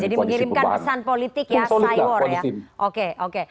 jadi mengirimkan pesan politik